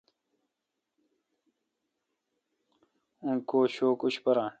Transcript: اون کو شوک اوشپاران